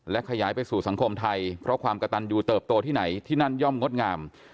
ขยายไปสู่สังคมไทยเพราะความกระตันอยู่เติบโตที่ไหนที่นั่นย่อมงดงาม